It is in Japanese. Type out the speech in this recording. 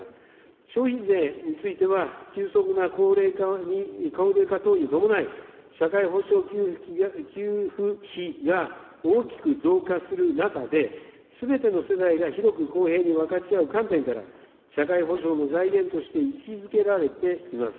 消費税については、急速な高齢化等に伴い、社会保障給付費が大きく増加する中で、すべての世代が広く公平に分かち合う観点から、社会保障の財源として位置づけられています。